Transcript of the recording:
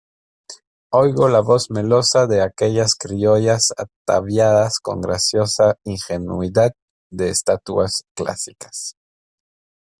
oigo la voz melosa de aquellas criollas ataviadas con graciosa ingenuidad de estatuas clásicas